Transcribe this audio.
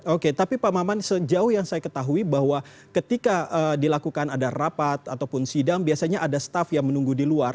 oke tapi pak maman sejauh yang saya ketahui bahwa ketika dilakukan ada rapat ataupun sidang biasanya ada staff yang menunggu di luar